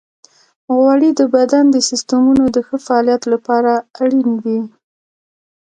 غوړې د بدن د سیستمونو د ښه فعالیت لپاره اړینې دي.